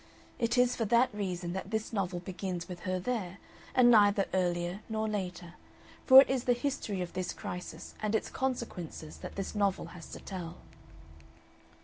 It is for that reason that this novel begins with her there, and neither earlier nor later, for it is the history of this crisis and its consequences that this novel has to tell.